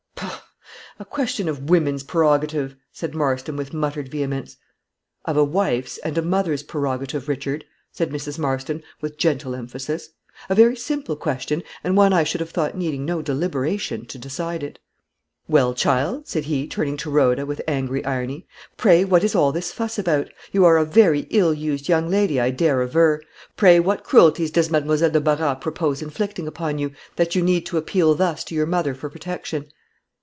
"Bah! A question of women's prerogative," said Marston, with muttered vehemence. "Of a wife's and a mother's prerogative, Richard," said Mrs. Marston, with gentle emphasis. "A very simple question, and one I should have thought needing no deliberation to decide it." "Well, child," sad he, turning to Rhoda, with angry irony, "pray what is all this fuss about? You are a very ill used young lady, I dare aver. Pray what cruelties does Mademoiselle de Barras propose inflicting upon you, that you need to appeal thus to your mother for protection?"